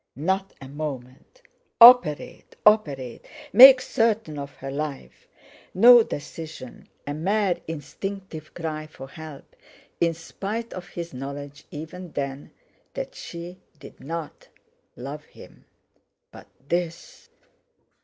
Not a moment! Operate, operate! Make certain of her life! No decision—a mere instinctive cry for help, in spite of his knowledge, even then, that she did not love him! But this!